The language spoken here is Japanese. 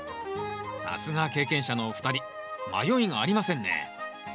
さすが経験者のお二人迷いがありませんね。